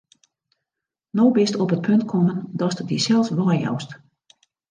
No bist op it punt kommen, datst dysels weijoust.